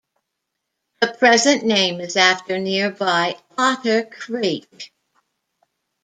The present name is after nearby Otter Creek.